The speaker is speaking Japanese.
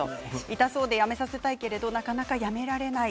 痛そうでやめさせようとしてもなかなかやめられない。